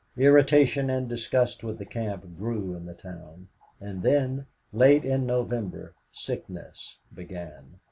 Irritation and disgust with the camp grew in the town, and then, late in November, sickness began.